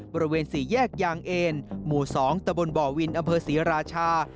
บริเวณสี่แยกยางเอนหมู่๒ตบวินอศรีราชา